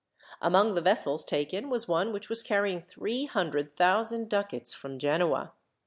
Among the vessels taken was one which was carrying three hundred thousand ducats from Genoa.